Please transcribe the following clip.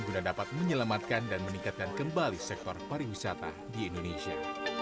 guna dapat menyelamatkan dan meningkatkan kembali sektor pariwisata di indonesia